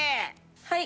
はい。